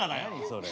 それ。